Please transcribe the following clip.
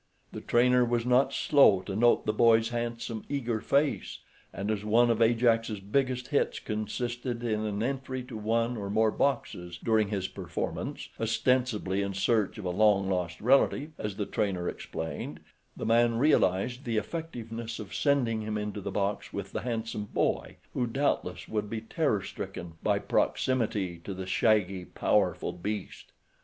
The trainer was not slow to note the boy's handsome, eager face, and as one of Ajax's biggest hits consisted in an entry to one or more boxes during his performance, ostensibly in search of a long lost relative, as the trainer explained, the man realized the effectiveness of sending him into the box with the handsome boy, who, doubtless, would be terror stricken by proximity to the shaggy, powerful beast.